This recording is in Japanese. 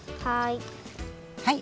はい。